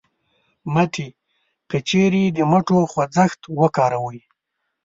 مټې : که چېرې د مټو خوځښت وکاروئ